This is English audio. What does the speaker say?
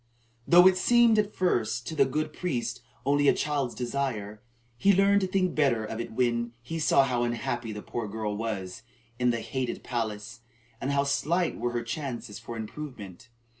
Though it seemed at first to the good priest only a child's desire, he learned to think better of it when he saw how unhappy the poor girl was in the hated palace, and how slight were her chances for improvement.